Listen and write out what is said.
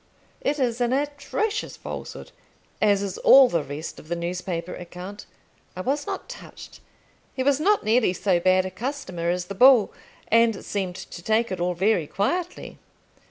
It is an atrocious falsehood, as is all the rest of the newspaper account. I was not touched. He was not nearly so bad a customer as the bull, and seemed to take it all very quietly.